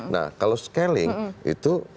nah kalau scaling itu